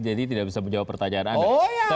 tidak bisa menjawab pertanyaan anda